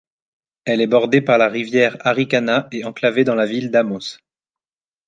Elle est bordée par la rivière Harricana et enclavée dans la ville d'Amos.